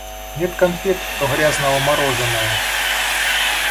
Нет конфет, то грязного мороженого.